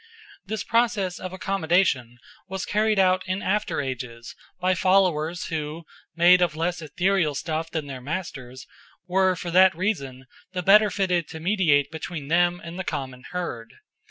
This process of accommodation was carried out in after ages by followers who, made of less ethereal stuff than their masters, were for that reason the better fitted to mediate between them and the common herd.